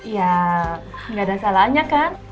ya nggak ada salahnya kan